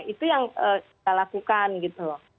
itu yang kita lakukan gitu loh